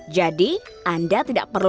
jadi anda tidak perlukan